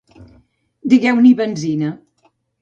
digueu-n'hi benzina